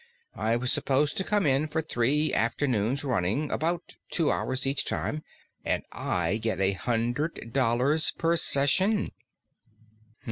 I was supposed to come in for three afternoons running about two hours each time and I'd get a hundred dollars per session."